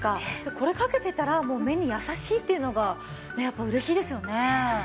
これかけてたらもう目に優しいっていうのがやっぱり嬉しいですよね。